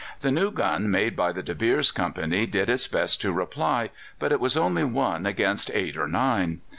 The new gun made by the De Beers Company did its best to reply, but it was only one against eight or nine.